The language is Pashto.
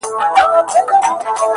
داسي محراب غواړم، داسي محراب راکه،